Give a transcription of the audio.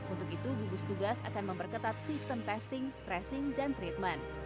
untuk itu gugus tugas akan memperketat sistem testing tracing dan treatment